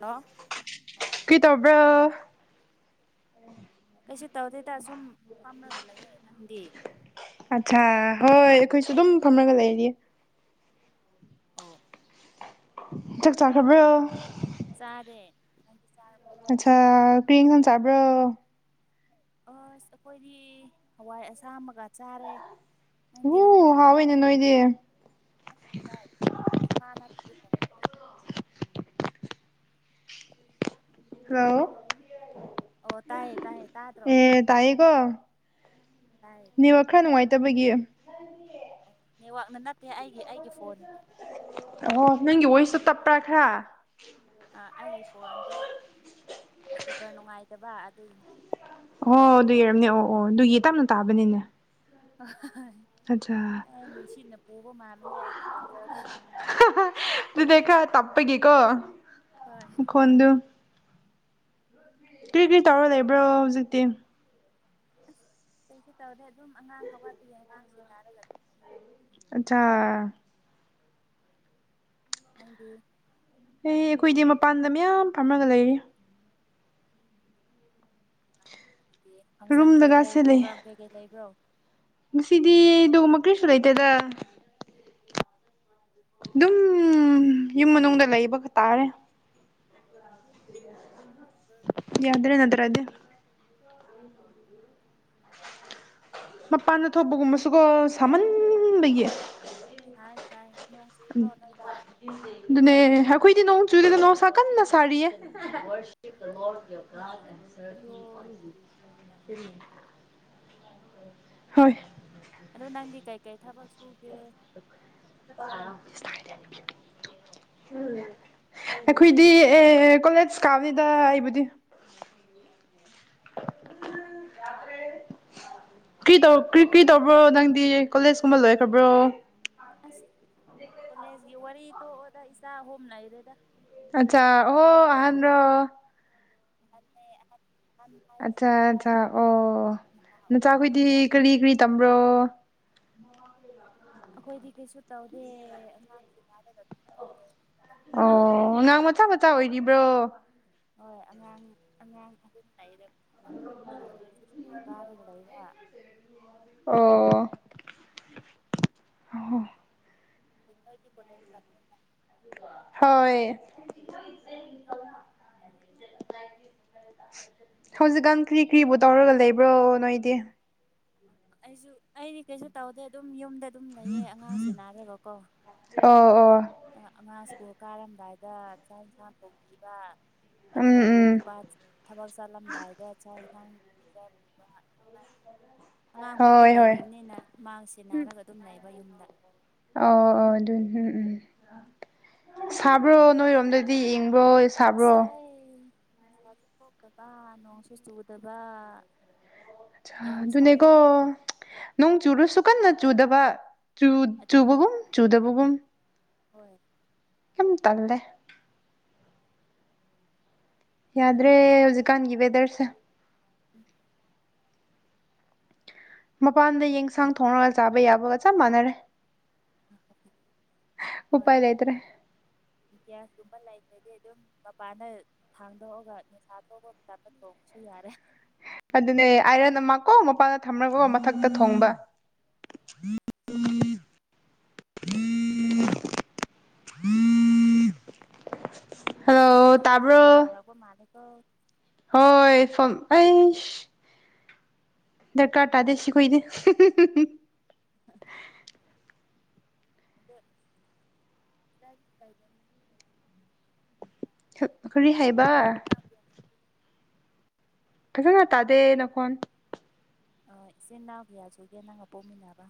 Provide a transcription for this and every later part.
hello ꯀ꯭ꯔꯤ ꯇꯧꯕ꯭ꯔꯣ ꯀꯩꯁꯨ ꯇꯧꯗꯦꯏꯗ ꯁꯨꯝ ꯐꯝꯂꯒ ꯂꯩꯌꯦ ꯅꯪꯗꯤ ꯑꯠꯁꯥ ꯍꯣꯏ ꯑꯩꯈꯣꯏꯁꯨ ꯑꯗꯨꯝ ꯐꯝꯂꯒ ꯂꯩꯔꯤꯌꯦ ꯑꯣ ꯆꯥꯛ ꯆꯥꯈ꯭ꯔꯕ꯭ꯔꯣ ꯆꯥꯔꯦ ꯅꯪꯗꯤ ꯆꯥꯔꯕꯣ ꯑꯠꯁꯥ ꯀ꯭ꯔꯤ ꯏꯟꯁꯥꯡ ꯆꯥꯕ꯭ꯔꯣ ꯑꯁ ꯑꯈꯣꯏꯗꯤ ꯍꯋꯥꯏ ꯑꯁꯥꯝꯕꯒ ꯆꯥꯔꯦ ꯎ ꯅꯪꯗꯤ ꯍꯥꯎꯋꯦꯅ ꯅꯣꯏꯗꯤ ꯑꯁ ꯀꯗꯥꯏꯗꯒꯤ [unintelligible] ꯇꯧꯏ ꯍꯜꯂꯣ ꯑꯣ ꯇꯥꯏꯌꯦ ꯇꯥꯏꯌꯦ ꯇꯥꯗ꯭ꯔꯣ ꯑꯦ ꯇꯥꯏꯌꯦꯀꯣ ꯇꯥꯏꯌꯦ ꯅꯦꯠꯋꯥꯛ ꯈꯔ ꯅꯨꯡꯉꯥꯏꯇꯕꯒꯤ ꯑꯧ ꯅꯦꯠꯋꯥꯛꯅ ꯅꯠꯇꯦ ꯑꯩꯒꯤ ꯑꯩꯒꯤ ꯐꯣꯟꯅꯅꯦ ꯑꯣ ꯅꯪꯒꯤ ꯑꯣꯏꯁꯨ ꯇꯞꯄ꯭ꯔꯥ ꯈꯔ ꯑ ꯑꯩꯒꯤ ꯐꯣꯟꯗꯣ ꯏꯁꯄꯤꯀꯔ ꯅꯨꯡꯉꯥꯏꯇꯕ ꯑꯗꯨꯒꯤꯅꯦ ꯑꯣ ꯑꯗꯨꯏ ꯑꯣꯏꯔꯝꯅꯦ ꯑꯣ ꯑꯣ ꯑꯗꯨꯒꯤ ꯇꯞꯅ ꯇꯥꯕꯅꯤꯅꯦ [unintelligible] ꯑꯠꯆꯥ ꯑꯩ ꯅꯨꯡꯁꯤꯠꯅ ꯄꯨꯕ ꯃꯥꯜꯂꯤꯅꯦ ꯑꯩꯒꯤ ꯈꯣꯟꯖꯦꯜꯗ [unintelligible] ꯑꯗꯨꯗꯩ ꯈꯔ ꯇꯞꯄꯒꯤꯀꯣ ꯍꯣꯏ ꯍꯣꯟꯗꯨ ꯀ꯭ꯔꯤ ꯀ꯭ꯔꯤ ꯇꯧꯔ ꯂꯩꯕ꯭ꯔꯣ ꯍꯧꯖꯤꯛꯇꯤ ꯑꯁ ꯀꯩꯁꯨ ꯇꯧꯗꯦ ꯑꯗꯨꯝ ꯑꯉꯥꯡ ꯍꯧꯒꯠꯄꯒꯤ ꯑꯉꯥꯡ ꯁꯤꯅꯔꯒ ꯑꯠꯆꯥ ꯅꯪꯗꯤ ꯑꯩ ꯑꯩꯈꯣꯏꯗꯤ ꯃꯄꯥꯟꯗ ꯃꯌꯥꯝ ꯐꯝꯃꯒ ꯂꯩꯔꯤ [unintelligible] ꯀꯤ ꯐꯪꯁꯟ ꯀꯩꯀꯩ ꯔꯨꯝꯗꯒꯁꯦ ꯂꯩ ꯄ꯭ꯔꯣꯒ꯭ꯔꯥꯝ ꯀꯩꯀꯩ ꯂꯩꯕ꯭ꯔꯣ ꯉꯁꯤꯗꯤ ꯑꯗꯨꯒꯨꯝꯕ ꯀ꯭ꯔꯤꯁꯨ ꯂꯩꯇꯦꯗ ꯑꯗꯨꯝ ꯌꯨꯝ ꯃꯅꯨꯡꯗ ꯂꯩꯕꯒ ꯇꯥꯔꯦ ꯌꯥꯗ꯭ꯔꯦ ꯅꯠꯇ꯭ꯔꯗꯤ ꯃꯄꯥꯟꯗ ꯊꯣꯛꯄꯒꯨꯝꯕꯁꯨꯒꯣ ꯁꯥꯃꯟꯕꯒꯤ ꯁꯥꯏ ꯁꯥꯏ ꯅꯣꯡ ꯎꯝ ꯆꯨꯗ꯭ꯔꯣ ꯅꯣꯏꯗ ꯑꯗꯨꯅꯦ ꯑꯩꯈꯣꯏꯗꯤ ꯅꯣꯡ ꯆꯨꯗꯦꯗ ꯅꯣꯡꯁꯥ ꯀꯟꯅ ꯁꯥꯔꯤꯌꯦ ꯑꯗꯣ [unintelligible] ꯍꯣꯏ ꯑꯗꯣ ꯅꯪꯗꯤ ꯀꯩꯀꯩ ꯊꯕꯛ ꯁꯨꯒꯦ [unintelligible] ꯑꯩꯈꯣꯏꯗꯤ ꯑꯦ ꯀꯣꯂꯦꯖ ꯀꯥꯕꯤꯗ ꯑꯩꯕꯨꯗꯤ ꯀꯔꯤ ꯇꯧ ꯀꯔꯤ ꯀ꯭ꯔꯤ ꯇꯧꯕ꯭ꯔꯣ ꯅꯪꯗꯤ ꯀꯣꯂꯦꯖꯀꯨꯝꯕ ꯂꯣꯏꯈ꯭ꯔꯕ꯭ꯔꯣ ꯑꯁ ꯀꯣꯂꯦꯖꯀꯤ ꯋꯥꯔꯤ ꯇꯣꯛꯑꯣꯗ ꯏꯆꯥ ꯑꯍꯨꯝ ꯂꯩꯔꯦꯗ ꯑꯠꯆꯥ ꯑꯣ ꯑꯍꯟꯂꯣ ꯃꯥꯅꯦ ꯑꯍꯟ ꯑꯍꯟ ꯑꯠꯆꯥ ꯍꯥꯏꯁꯤꯔꯥ ꯑꯠꯆꯥ ꯑꯣ ꯅꯍꯥ ꯅꯆꯥꯈꯣꯏꯗꯤ ꯍꯥꯏꯁꯤꯔꯥ ꯀꯔꯤ ꯈꯪꯗꯦ ꯀꯔꯤ ꯇꯝꯕ꯭ꯔꯣ ꯑꯩꯈꯣꯏꯗꯤ ꯀꯩꯁꯨ ꯇꯧꯗꯦ ꯑꯉꯥꯡꯁꯦ ꯍꯥꯏꯔꯒ ꯑꯗꯨꯝꯅꯌꯦ ꯑꯣ ꯑꯉꯥꯡ ꯃꯆꯥ ꯃꯆꯥ ꯑꯣꯏꯔꯤꯕ꯭ꯔꯣ ꯍꯣꯏ ꯑꯉꯥꯡ ꯑꯉꯥꯡ ꯑꯗꯨꯝ ꯂꯩꯔꯕꯅꯤꯀꯨꯜ ꯀꯥꯔꯒ ꯂꯩꯕ ꯑꯣ [inaudible] ꯀꯣꯂꯦꯁ ꯇꯝꯃꯦ ꯍꯣꯏ ꯍꯧꯖꯤꯛꯀꯥꯟ ꯀ꯭ꯔꯤ ꯀ꯭ꯔꯤꯕꯨ ꯇꯧꯔꯒ ꯂꯩꯕ꯭ꯔꯣ ꯅꯣꯏꯗꯤ ꯑꯩꯁꯨ ꯑꯩꯗꯤ ꯀꯩꯁꯨ ꯇꯧꯗꯦ ꯑꯗꯨꯝ ꯌꯨꯝꯗ ꯑꯗꯨꯝ ꯂꯩꯌꯦ ꯑꯉꯥꯡꯁꯤ ꯅꯥꯔꯕꯀꯣ ꯑꯣ ꯑꯣ ꯑꯉꯥꯡ ꯁ꯭ꯀꯨꯜ ꯀꯥꯔꯝꯗꯥꯏꯗ ꯆꯥꯛ ꯏꯟꯁꯥꯡ ꯇꯧꯕꯤꯕ ꯎꯝ ꯑꯗꯨꯒ ꯑꯩꯈꯣꯏ ꯎꯝ ꯅꯨꯄꯥ ꯊꯕꯛ ꯆꯠꯂꯝꯗꯥꯏꯗ ꯑꯉꯥꯡ ꯑꯗꯨꯃꯥꯏꯅ ꯑꯉꯥꯡ ꯄꯤꯛꯄ ꯍꯣꯏ ꯍꯣꯏ ꯂꯩꯔꯤꯕꯅꯤꯅ ꯃꯥꯡꯁꯦ ꯅꯥꯔꯒ ꯑꯗꯨꯝ ꯂꯩꯕ ꯌꯨꯝꯗ ꯑꯣ ꯑꯣ ꯑꯗꯨꯅꯤ ꯎꯝ ꯎꯝ ꯁꯥꯕ꯭ꯔꯣ ꯅꯣꯏꯔꯣꯝꯗꯗꯤ ꯢꯛꯕ꯭ꯔꯣ ꯁꯥꯏ ꯑꯦ ꯉꯁꯥꯏ ꯅꯨꯡꯁꯥꯁꯨ ꯈꯣꯛꯇꯕ ꯅꯣꯡꯁꯨ ꯆꯨꯗꯕ ꯌꯥꯝ ꯁꯥꯏ ꯗꯨꯅꯦꯀꯣ ꯅꯣꯡ ꯆꯨꯔꯨꯁꯨ ꯀꯟꯅ ꯆꯨꯗꯕ ꯑꯗꯨꯅꯦ ꯆꯨꯕꯒꯨꯝ ꯆꯨꯗꯕꯒꯨꯝ ꯍꯣꯏ ꯌꯥꯝ ꯇꯜꯂꯦ ꯑꯗꯨ ꯌꯥꯗ꯭ꯔꯦ ꯍꯧꯖꯤꯛꯀꯥꯟꯒꯤ ꯋꯦꯗꯔꯁꯦ [unintelligible] ꯃꯄꯥꯟꯗ ꯌꯦꯟꯁꯥꯡ ꯊꯣꯡꯉꯒ ꯆꯥꯕ ꯌꯥꯕꯒ ꯆꯞ ꯃꯥꯟꯅꯔꯦ ꯍꯣꯏ ꯎꯄꯥꯏ ꯂꯩꯇ꯭ꯔꯦ ꯒ꯭ꯤꯌꯥꯁꯀꯨꯝꯕ ꯂꯩꯕꯗꯤ ꯑꯗꯨꯝ ꯃꯄꯥꯅ ꯊꯥꯡꯗꯣꯛꯑꯒ ꯅꯨꯛꯁꯥ ꯊꯣꯛꯄ ꯃꯇꯝꯗ ꯇꯣꯡꯉꯁꯨ ꯌꯥꯔꯦ ꯑꯗꯨꯅꯦ ꯑꯥꯏꯔꯟ ꯑꯃꯀꯣ ꯃꯄꯥꯟꯗ ꯊꯝꯃꯒ ꯃꯊꯛꯇ ꯊꯣꯡꯕ [unintelligible] ꯍꯜꯂꯣ ꯅꯪꯉꯣꯟꯗ ꯐꯣꯟ ꯇꯥꯕ꯭ꯔꯣ ꯇꯧꯔꯛꯄ ꯃꯥꯟꯅꯦꯀꯣ ꯍꯣꯏ ꯐ ꯑꯩꯁ ꯗꯔꯀꯥ ꯇꯥꯥꯗꯦ ꯁꯤꯈꯣꯏꯗꯤ [unintelligible] ꯇꯥꯏ ꯇꯥꯏꯖ ꯀꯔꯤ ꯍꯥꯏꯕ [unintelligible] ꯐꯖꯅ ꯇꯥꯗꯦ ꯅꯈꯣꯟ ꯑ ꯏꯆꯤꯟ ꯏꯅꯥꯎ ꯀꯌꯥ ꯁꯨꯒꯦ ꯅꯪꯒ ꯄꯣꯛꯃꯤꯟꯅꯕ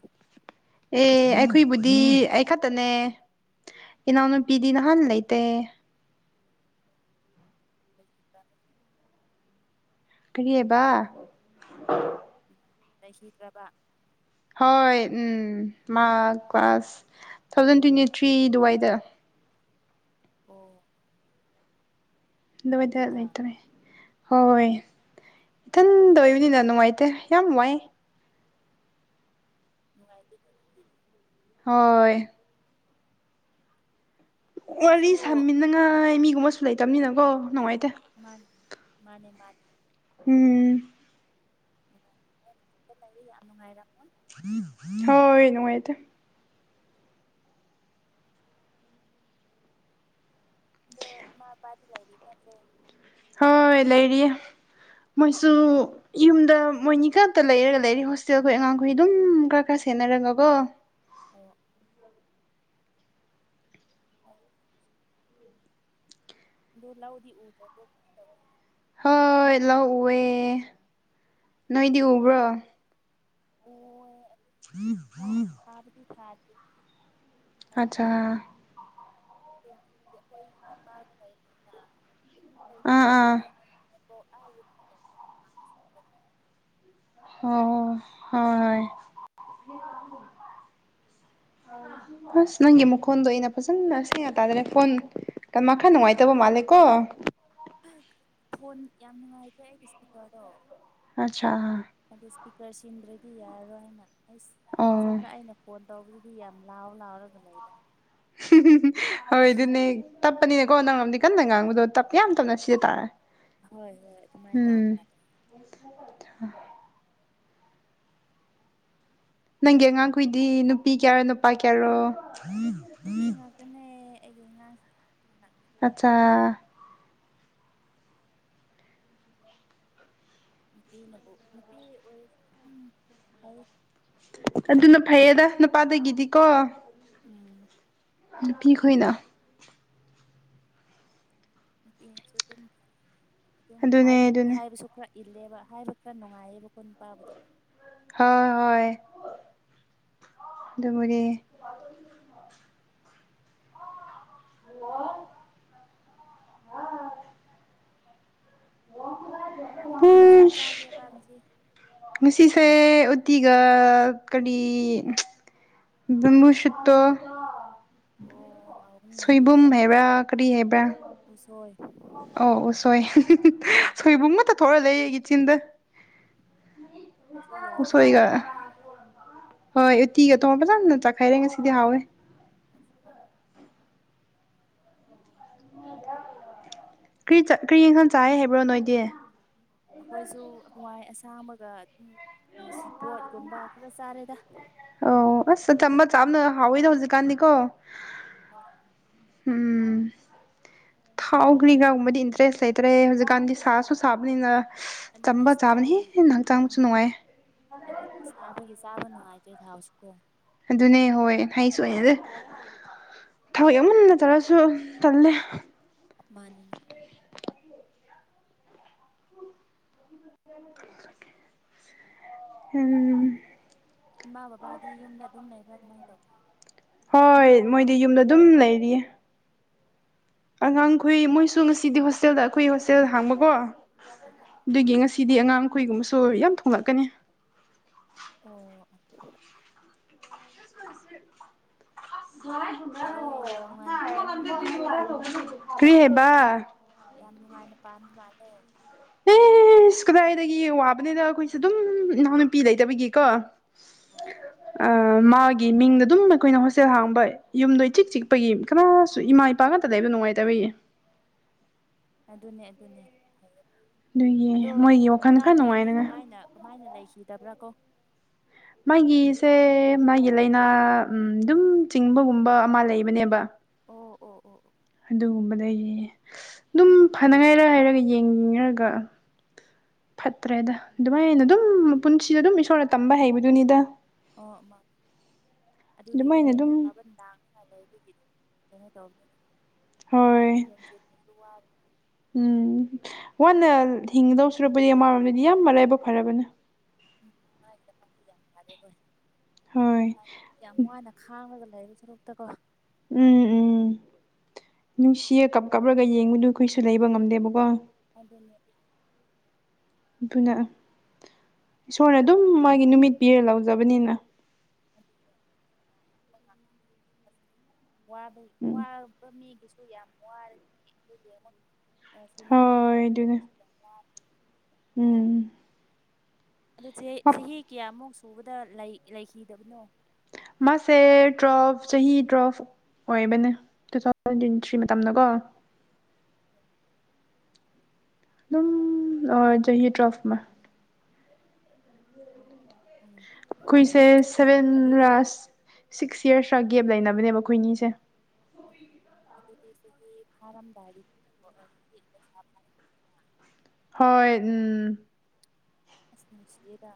ꯑꯦ ꯑꯩꯈꯣꯏꯕꯨꯗꯤ ꯑꯩ ꯈꯛꯇꯅꯦ ꯏꯅꯥꯎꯅꯨꯄꯤꯗꯤ ꯅꯍꯥꯟ ꯂꯩꯇꯦ [unintelligible] ꯀ꯭ꯔꯤꯌꯥꯕ ꯂꯩꯈꯤꯗ꯭ꯔꯕ ꯍꯣꯏ ꯃꯥ class two thousand twenty three ꯗꯨꯋꯥꯏꯗ ꯑꯣ ꯑꯗꯨꯋꯥꯏꯗ ꯅꯨꯡꯉꯥꯏꯇꯦꯗ ꯂꯩꯇꯥꯔꯦ ꯍꯣꯏ ꯏꯊꯟꯗ ꯑꯣꯏꯕꯅꯤꯅ ꯅꯨꯡꯉꯥꯏꯇꯦ ꯌꯥꯝ ꯋꯥꯏ ꯅꯨꯡꯉꯥꯏꯇꯦ ꯍꯣꯏ ꯋꯥꯔꯤ ꯑꯩꯈꯣꯏꯁꯨ ꯁꯥꯃꯤꯟꯅꯉꯥꯏ ꯃꯤꯒꯨꯝꯕꯁꯨ ꯂꯩꯇꯕꯅꯤꯅꯀꯣ ꯅꯨꯡꯉꯥꯏꯇꯦ ꯃꯥꯅꯦ ꯃꯥꯅꯦ ꯃꯥꯅꯦ ꯎꯝ ꯅꯨꯡꯉꯥꯏ ꯂꯩ ꯌꯥꯝ ꯅꯨꯡꯉꯥꯏꯔꯝꯃꯣ ꯍꯣꯏ ꯅꯨꯡꯉꯥꯏꯇꯦ ꯑꯣ ꯏꯃꯥ ꯕꯥꯗꯤ ꯂꯩꯔꯤ ꯅꯠꯇꯔꯣ ꯍꯣꯏ ꯂꯩꯔꯤꯌꯦ ꯃꯣꯏꯁꯨ ꯌꯨꯝꯗ ꯃꯣꯏꯅꯤ ꯈꯇ ꯂꯩꯔꯒ ꯂꯩꯔꯤ ꯍꯣꯁꯇꯦꯜꯈꯣꯏ ꯑꯉꯥꯡꯈꯣꯏ ꯑꯗꯨꯝ ꯈꯔ ꯈꯔ ꯁꯦꯟꯅꯔꯒꯀꯣ ꯑꯣ ꯍꯥꯏ ꯗꯨ ꯂꯥꯎꯗꯤ ꯎꯗꯔꯕꯣ ꯍꯣꯏ ꯂꯥꯎ ꯎꯑꯦ ꯅꯣꯏꯗꯤ ꯎꯕ꯭ꯔꯣ ꯑꯣ [unintelligible] ꯊꯥꯕꯗꯤ ꯊꯥꯗ ꯑꯆꯥ ꯑꯗ ꯍꯧꯖꯤꯛꯇꯤ ꯑꯩꯈꯣꯏ ꯇꯝꯄꯥꯛꯒ ꯂꯩꯔꯤꯅꯤꯅ ꯑꯥ ꯑꯥ [unintelligible] ꯑꯣ ꯑꯣ ꯍꯣꯏ ꯍꯣꯏ ꯑꯁ ꯅꯪꯒꯤ ꯃꯈꯣꯟꯗꯣ ꯑꯩꯅ ꯐꯖꯅ ꯁꯦꯡꯅ ꯇꯥꯗꯔꯦ ꯐꯣꯟ ꯅꯦꯋꯥꯛ ꯈꯔ ꯅꯨꯡꯉꯥꯏꯇꯕ ꯃꯥꯜꯂꯦꯀꯣ ꯐꯣꯟ ꯌꯥꯝ ꯅꯨꯡꯉꯥꯏꯕ꯭ꯔꯦ ꯑꯩꯒꯤ ꯏꯁꯄꯤꯀꯔꯗꯣ ꯑꯆꯥ ꯑꯗꯨꯗ ꯏꯁꯄꯤꯀꯔ ꯁꯤꯟꯗ꯭ꯔꯗꯤ ꯌꯥꯔꯔꯣꯏ ꯍꯥꯏꯅ ꯑꯩꯁ ꯑꯣ ꯑꯁꯣꯝꯅ ꯑꯩꯅ ꯀꯣꯟ ꯇꯧꯗꯨꯗꯤ ꯌꯥꯝ ꯂꯥꯎ ꯂꯥꯎꯔꯒ ꯂꯩꯕꯣ ꯍꯣꯏ ꯑꯗꯨꯅꯦ ꯇꯞꯄꯅꯤꯅꯦꯀꯣ ꯅꯪꯉꯝꯗꯤ ꯀꯟꯅ ꯉꯥꯡꯕꯗꯣ ꯇꯞ ꯌꯥꯝ ꯇꯞꯅ ꯁꯤꯗ ꯇꯥꯔꯦ ꯍꯣꯏ ꯍꯣꯏ ꯑꯗꯨꯃꯥꯏꯅ ꯇꯧ ꯎꯝ ꯃꯥꯜꯂꯦ [unintelligible] ꯅꯪꯒꯤ ꯑꯉꯥꯡꯈꯨꯏꯗꯤ ꯅꯨꯄꯤ ꯀꯌꯥꯔꯣ ꯅꯨꯄꯥ ꯀꯌꯥꯔꯣ ꯅꯨꯄꯤ ꯉꯥꯛꯇꯅꯦ ꯑꯩꯒꯤ ꯑꯉꯥꯡꯁꯦ ꯑꯠꯆꯥ ꯅꯨꯄꯤꯅꯕꯨ ꯅꯨꯄꯤ ꯑꯣꯏꯔꯁꯨ ꯑꯗꯨꯝ ꯐꯩ ꯑꯗꯨꯅ ꯐꯩꯌꯦꯗ ꯅꯨꯄꯥꯗꯒꯤꯗꯤꯀꯣ ꯎꯝ ꯅꯨꯄꯤ ꯈꯣꯏꯅ ꯅꯨꯄꯤꯁꯨ ꯑꯗꯨꯝ ꯐꯩ ꯑꯗꯨꯝ ꯑꯗꯨꯅꯦ ꯍꯥꯏꯕꯤ ꯑꯗꯨꯅꯦ ꯍꯥꯏꯕꯁꯨ ꯈꯔ ꯏꯜꯂꯦꯕ ꯍꯥꯏꯕ ꯈꯔ ꯅꯨꯡꯉꯥꯏꯌꯦꯕꯀꯣ ꯅꯨꯄꯥꯕꯨꯗꯤ ꯍꯣꯏ ꯍꯣꯏ ꯑꯗꯨꯅꯦ ꯍꯜꯂꯣ ꯀꯩ ꯏꯟꯁꯥꯡ ꯍꯨꯏꯁ ꯆꯥꯒꯦꯕ ꯉꯁꯤ ꯉꯁꯤꯁꯦ ꯎꯇꯤꯒ ꯀꯔꯤ ꯕꯝꯕꯨꯁꯨꯠꯇꯣ ꯑꯣ ꯍꯥꯎꯕꯅꯤꯅꯦ ꯁꯣꯏꯕꯨꯝ ꯑꯗꯨꯗꯤ ꯍꯥꯏꯕ꯭ꯔꯥ ꯀꯔꯤ ꯍꯥꯏꯕ꯭ꯔꯥ ꯎꯁꯣꯏ ꯑꯣ ꯎꯁꯣꯏ ꯁꯣꯏꯕꯨꯝꯃꯇ ꯊꯣꯛꯑ ꯂꯩ ꯏꯆꯤꯟꯗ ꯑꯗꯨꯁꯨ ꯌꯥꯏꯗ ꯎꯁꯣꯏꯒ ꯍꯥꯎꯕꯅꯤꯅꯦ ꯍꯣꯏ ꯎꯇꯤꯒ ꯇꯣ ꯐꯖꯟꯅ ꯆꯥꯈꯥꯏꯔꯦ ꯉꯁꯤꯗꯤ ꯍꯥꯎꯋꯦ [inaudible] ꯀꯔꯤ ꯀꯔꯤ ꯌꯦꯡꯈꯥꯡ ꯆꯥ ꯍꯥꯏꯕ꯭ꯔꯣ ꯅꯣꯏꯗꯤ ꯑꯩꯈꯣꯏꯁꯨ ꯍꯋꯥꯏ ꯑꯁꯥꯡꯕꯒ ꯑꯗꯨꯝ ꯁꯤ ꯄꯣꯠꯀꯨꯝꯕ ꯈꯔ ꯆꯥꯔꯦꯗ ꯑꯣ ꯑꯁ ꯑꯆꯝꯕ ꯆꯥꯕꯅ ꯍꯥꯎꯋꯤꯗ ꯍꯧꯖꯤꯛꯀꯥꯟꯗꯤꯀꯣ ꯍꯣꯏ ꯎꯝ ꯊꯥꯎꯈ꯭ꯔꯤꯒꯥꯒꯨꯝꯕꯗꯤ ꯏꯟꯇꯔꯦꯁ ꯂꯩꯇ꯭ꯔꯦ ꯍꯧꯖꯤꯛꯀꯥꯟꯗꯤ ꯁꯥꯁꯨ ꯁꯥꯕꯅꯤꯅ ꯑꯗꯨꯅꯦ ꯆꯝꯕ ꯆꯥꯕꯅ ꯍꯦꯟꯅ ꯍꯛꯆꯥꯡꯁꯨ ꯅꯨꯡꯉꯥꯏ ꯑꯗꯨ ꯁꯥꯕꯒꯤ ꯆꯥꯕ ꯅꯨꯡꯉꯥꯏꯇ꯭ꯔꯦ ꯊꯥꯎꯁꯤ ꯀꯣ ꯑꯗꯨꯅꯦ ꯍꯣꯏ ꯍꯥꯏꯁꯨ ꯍꯩꯅꯗꯦ ꯊꯔꯣꯏ ꯌꯥꯝ ꯆꯥꯔꯥꯁꯨ ꯇꯜꯂꯦ ꯃꯥꯅꯦ ꯃꯥ ꯍꯝ ꯏꯃꯥ ꯕꯕꯥꯗꯤ ꯌꯨꯝꯗ ꯑꯗꯨꯝ ꯂꯩꯕ꯭ꯔꯥ ꯀꯃꯥꯏ ꯇꯧ ꯍꯣꯏ ꯃꯣꯏꯗꯤ ꯌꯨꯝꯗ ꯑꯗꯨꯝ ꯂꯩꯔꯤꯌꯦ ꯑꯉꯥꯡꯈꯣꯏ ꯃꯣꯏꯁꯨ ꯉꯁꯤꯗꯤ ꯍꯣꯁꯇꯦꯜꯗ ꯑꯩꯈꯣꯏ ꯍꯣꯁꯇꯦꯜ ꯍꯥꯡꯕꯀꯣ ꯑꯣ ꯑꯗꯨꯒꯤ ꯉꯁꯤꯗꯤ ꯑꯉꯥꯡꯈꯨꯏꯒꯨꯝꯕꯁꯨ ꯌꯥꯝ ꯊꯣꯛꯂꯛꯀꯥꯅꯤ ꯑꯣ [unintelligible] ꯐꯩꯌꯦ ꯌꯥꯝ ꯅꯨꯡꯉꯥꯏꯅ ꯄꯥꯟꯕ ꯃꯥꯜꯂꯦꯀꯣ ꯀ꯭ꯔꯤ ꯍꯥꯏꯕ ꯌꯥꯝ ꯅꯨꯡꯉꯥꯏꯅ ꯄꯥꯟꯕ ꯃꯥꯜꯂꯦ ꯑꯦꯁ ꯀꯗꯥꯏꯗꯒꯤ ꯋꯥꯕꯅꯤꯗ ꯑꯩꯈꯣꯏꯁꯦ ꯑꯗꯨꯝ ꯏꯅꯥꯎꯅꯨꯄꯤ ꯂꯩꯇꯕꯒꯤꯀꯣ ꯍꯣꯏ ꯃꯥꯒꯤ ꯃꯤꯡꯗ ꯑꯗꯨꯝ ꯑꯩꯈꯣꯏꯅ ꯍꯣꯁꯇꯦꯜ ꯍꯥꯡꯕ ꯌꯨꯝꯗꯣ ꯏꯆꯤꯛ ꯆꯤꯛꯄꯒꯤ ꯀꯅꯥꯁꯨ ꯏꯃꯥ ꯏꯄꯥ ꯉꯥꯛꯇꯥ ꯂꯩꯕ ꯅꯨꯡꯉꯥꯏꯇꯕꯒꯤ ꯑꯗꯨꯅꯦ ꯑꯗꯨꯅꯦ ꯑꯗꯨꯒꯤ ꯑꯗꯣ ꯃꯣꯏꯒꯤ ꯋꯥꯈꯜ ꯈꯔ ꯏꯅꯥꯎꯄꯤꯗꯤ ꯅꯨꯡꯉꯥꯏꯅꯉꯥꯏ ꯀꯃꯥꯏꯅ ꯀꯃꯥꯏꯅ ꯂꯩꯈꯤꯗꯕ꯭ꯔꯥ ꯀꯣ ꯃꯥꯒꯤꯁꯦ ꯃꯥꯒꯤ ꯂꯥꯏꯅꯥ ꯑꯗꯨꯝ ꯆꯤꯡꯕꯒꯨꯝꯕ ꯑꯃ ꯂꯩꯕꯅꯦꯕ ꯑꯣ ꯑꯣ ꯑꯣ ꯑꯗꯨꯒꯨꯝꯕꯗꯒꯤ ꯑꯗꯨꯝ ꯐꯅꯉꯥꯏꯔ ꯍꯥꯏꯔꯒ ꯌꯦꯡꯔꯒ ꯐꯠꯇ꯭ꯔꯦꯗ ꯑꯗꯨꯃꯥꯏꯅ ꯑꯗꯨꯝ ꯄꯨꯟꯁꯤꯗ ꯑꯗꯨꯝ ꯏꯁꯣꯔꯅ ꯇꯝꯕ ꯍꯩꯕꯗꯨꯅꯤꯗ ꯑꯣ ꯃꯥ ꯑꯗꯨꯗꯒꯤ ꯑꯗꯨꯃꯥꯏꯅ ꯍꯦꯟꯅ ꯑꯗꯨꯝ ꯐꯕꯗꯥ ꯃꯥ ꯂꯩꯕꯒꯤ ꯀꯩꯅꯣ ꯍꯣꯏ ꯇꯧꯕꯅꯤꯗ ꯍꯦꯟꯖꯤꯟꯕꯁꯨ ꯋꯥꯔꯦ ꯎꯝ ꯋꯥꯅ ꯍꯤꯡꯒꯗꯧ ꯁꯨꯔꯨꯛꯄꯗꯤ ꯑꯃꯔꯣꯝꯗꯗꯤ ꯌꯥꯝ ꯃꯔꯥꯏꯕ ꯐꯔꯕꯅꯦ ꯎꯝ ꯃꯥꯒꯤꯗꯃꯛꯇꯥꯗꯤ ꯌꯥꯝ ꯐꯥꯔꯦ ꯑꯈꯣꯏꯅ ꯍꯣꯏ ꯑꯗꯨꯃꯥꯏꯅ ꯌꯥꯝ ꯋꯥꯅ ꯈꯥꯡꯉꯒ ꯂꯩꯕ ꯁꯔꯨꯛꯇꯀꯣ ꯎꯝ ꯎꯝ ꯅꯨꯡꯁꯤꯌꯦ ꯀꯞ ꯀꯞꯂꯒ ꯌꯦꯡꯕꯗꯨ ꯑꯩꯈꯣꯏꯁꯨ ꯂꯩꯕ ꯉꯝꯗꯦꯕꯀꯣ ꯑꯗꯨꯅꯦ ꯑꯗꯨꯅ ꯏꯁꯣꯔꯅ ꯑꯗꯨꯝ ꯏꯁꯣꯔꯒꯤ ꯃꯥꯒꯤ ꯑꯅꯤꯡꯕ ꯅꯨꯃꯤꯠ ꯄꯤꯔꯥ ꯂꯧꯖꯕꯅꯤꯅ ꯋꯥꯕꯩ ꯎꯝ ꯋꯥ ꯃꯤꯒꯤꯁꯨ ꯌꯥꯝꯅ ꯋꯥꯔꯥꯅꯤ ꯑꯗꯨꯒꯤ ꯑꯃꯨꯛ ꯑꯦꯁꯤ ꯅꯔꯒꯥ ꯍꯣꯏ ꯂꯩ ꯑꯗꯨꯅꯦ ꯌꯥꯝ ꯋꯥ ꯎꯝ ꯑꯗꯨ ꯆꯦ ꯆꯍꯤ ꯀꯌꯥꯃꯨꯛ ꯁꯨꯕꯗ ꯂꯩ ꯂꯩꯈꯤꯗꯕꯅꯣ ꯃꯥꯁꯦ ꯇꯨꯋꯦꯜꯞ ꯆꯍꯤ ꯇꯨꯋꯦꯜꯞ ꯑꯣꯏꯕꯅꯦ ꯇꯨ ꯊꯥꯎꯖꯟ ꯇꯋꯦꯟꯊ꯭ꯔꯤ ꯃꯇꯝꯗꯀꯣ ꯑꯗꯨꯝ ꯆꯍꯤ ꯇ꯭ꯔꯥꯐꯃꯥ ꯎꯝ ꯑꯩꯈꯣꯏꯁꯦ ꯁꯕꯦꯟ ꯑꯗꯨꯗꯤ ꯔꯥꯁ ꯁꯤꯛꯁ ꯌꯥꯔꯁ ꯔꯥ ꯒꯦꯞ ꯂꯩꯅꯕꯅꯦꯕ ꯑꯩꯈꯣꯏꯅꯤꯁꯦ ꯎꯝ ꯑꯗꯨꯗꯤ ꯆꯍꯤ ꯐꯥꯔꯝꯗꯥꯏꯗꯅꯤꯅꯦꯀꯣ ꯑꯗꯨ ꯍꯣꯏ ꯎꯝ ꯑꯁ ꯅꯨꯡꯁꯤꯌꯦꯗ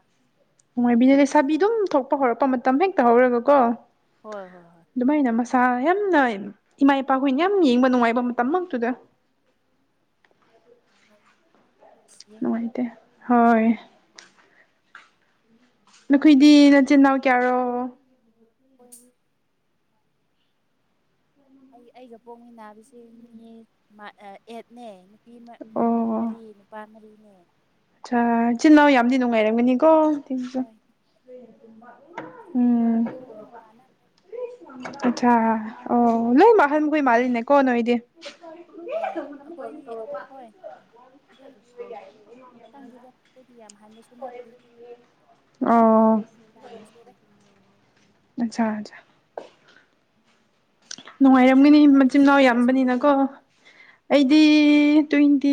ꯅꯨꯡꯉꯥꯏꯕꯤꯗꯦ ꯂꯩꯁꯥꯕꯤ ꯑꯗꯨꯝ ꯊꯣꯛꯄ ꯍꯧꯔꯛꯄ ꯃꯇꯝ ꯍꯦꯛꯇ ꯍꯧꯔꯒ ꯀꯣ ꯍꯣꯏ ꯍꯣꯏ ꯍꯣꯏ ꯑꯗꯨꯃꯥꯏꯅ ꯃꯁꯥ ꯌꯥꯝꯅ ꯏꯃꯥ ꯏꯄꯥꯈꯣꯏꯅ ꯌꯥꯝ ꯌꯦꯡꯕ ꯅꯨꯡꯉꯥꯏꯕ ꯃꯇꯝꯃꯛꯇꯨꯗ ꯍꯣꯏ ꯅꯨꯡꯁꯤꯌꯦ ꯅꯨꯡꯉꯥꯏꯇꯦ ꯍꯣꯏ ꯅꯈꯣꯏꯗꯤ ꯅꯆꯤꯟꯅꯥꯎ ꯀꯌꯥꯔꯣ [unintelligible] ꯑꯩ ꯑꯩꯒ ꯄꯣꯛꯃꯤꯟꯅꯕꯁꯦ ꯃꯤ ꯃ ꯑꯥ ꯑꯦꯠꯅꯦ ꯅꯨꯄꯤ ꯃ ꯅꯨꯄꯤ ꯑꯣ ꯃꯔꯤ ꯅꯨꯄꯥ ꯃꯔꯤꯅꯦ ꯑꯆꯥ ꯏꯆꯤꯟꯅꯥꯎ ꯌꯥꯝꯗꯤ ꯅꯨꯡꯉꯥꯏꯔꯝꯒꯅꯤꯀꯣ ꯍꯣꯏ ꯍꯧꯖꯤꯛꯇꯤ ꯎꯝ ꯌꯨꯝ ꯂꯣꯏꯅ ꯄꯥꯟꯅꯈ꯭ꯔꯦ ꯑꯆꯥ ꯑꯣ ꯂꯣꯏꯃꯛ ꯑꯍꯟꯈꯣꯏ ꯃꯥꯜꯂꯦꯅꯦ ꯀꯣ ꯅꯣꯏꯗꯤ ꯍꯣꯏ ꯑꯈꯣꯏꯗꯤ ꯍꯣꯏ ꯑꯗꯨꯝ ꯈꯪꯗꯦꯗ ꯑꯩꯈꯣꯏꯗꯤ ꯌꯥꯝ ꯍꯥꯟꯅꯁꯨ ꯅꯠꯇꯔꯤ ꯑꯣ ꯑꯗꯨꯕꯨ [inaudible] ꯑꯆꯥ ꯑꯆꯥ ꯅꯨꯡꯉꯥꯏꯔꯝꯒꯅꯤ ꯅꯪꯗꯤ ꯆꯍꯤ ꯃꯆꯤꯟꯅꯥꯎ ꯀꯌꯥ ꯁꯨꯔꯒꯦ ꯌꯥꯝꯕꯅꯤꯅꯀꯣ ꯑꯩꯗꯤ ꯇ꯭ꯋꯦꯟꯇꯤ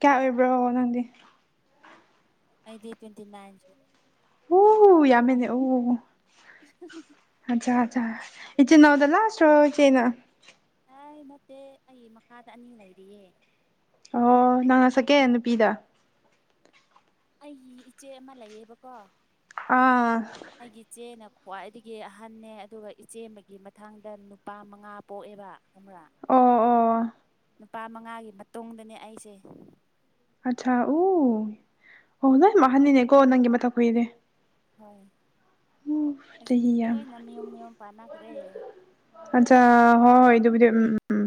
ꯀꯌꯥ ꯑꯣꯏꯕ꯭ꯔꯣ ꯅꯪꯗꯤ ꯑꯩꯗꯤ ꯇ꯭ꯋꯦꯟꯇꯤꯅꯥꯏꯟ ꯁꯨꯔꯦ ꯎ ꯌꯥꯝꯃꯦꯅꯦ ꯑꯣ [inaudible] ꯑꯠꯆꯥ ꯑꯠꯆꯥ ꯏꯆꯦꯅꯥꯎꯗ ꯂꯥꯁꯔꯣ ꯏꯆꯦꯅ ꯍꯥꯏ ꯅꯠꯇꯦ ꯑꯩ ꯃꯈꯥꯗ ꯑꯅꯤ ꯂꯩꯔꯤꯌꯦ ꯑꯣ ꯅꯪꯅ ꯁꯦꯟ ꯅꯨꯄꯤꯗ ꯑꯩꯒꯤ ꯏꯆꯦ ꯑꯃ ꯂꯩꯌꯦꯕꯀꯣ ꯑꯥ ꯑꯩꯒꯤ ꯏꯆꯦꯅ ꯈ꯭ꯋꯥꯏꯗꯒꯤ ꯑꯍꯟꯅꯦ ꯑꯗꯨꯒ ꯏꯆꯦ ꯑꯃꯒꯤ ꯃꯊꯥꯡꯗ ꯅꯨꯄꯥ ꯃꯉꯥ ꯄꯣꯛꯑꯦꯕ ꯑꯃꯔꯥ ꯑꯣ ꯑꯣ ꯅꯨꯄꯥ ꯃꯉꯥꯒꯤ ꯃꯇꯨꯡꯗꯅꯦ ꯑꯩꯁꯦ ꯑꯠꯆꯥ ꯎ ꯑꯣ ꯂꯣꯏꯝ ꯑꯍꯟꯅꯤꯅꯦꯀꯣ ꯅꯪꯒꯤ ꯃꯊꯛ ꯈꯣꯢꯗꯤ ꯍꯣꯏ ꯍꯧꯖꯤꯛꯇꯤ ꯆꯍꯤ ꯌꯥꯝ ꯂꯣꯏꯅ ꯃꯌꯨꯝ ꯃꯌꯨꯝ ꯄꯥꯟꯅꯈ꯭ꯔꯦ ꯑꯠꯆꯥ ꯍꯣꯏ ꯑꯗꯨꯕꯨꯗꯤ ꯎꯝ ꯎꯝ